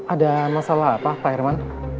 ada masalah apa pak herman